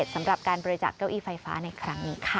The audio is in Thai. สำหรับการบริจาคเก้าอี้ไฟฟ้าในครั้งนี้ค่ะ